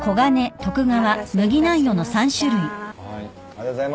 はい。